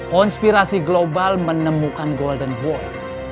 konspirasi global menemukan golden boy